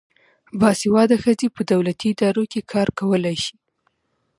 باسواده ښځې په دولتي ادارو کې کار کولای شي.